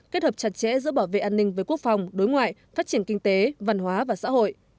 kết hợp chặt chẽ giữa bảo vệ an ninh với quốc phòng đối ngoại phát triển kinh tế văn hóa và xã hội